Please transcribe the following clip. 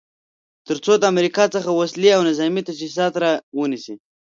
تر څو د امریکا څخه وسلې او نظامې تجهیزات را ونیسي.